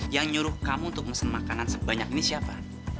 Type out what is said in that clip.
yang nyuruh kamu untuk mesen makanan sebanyak ini siapa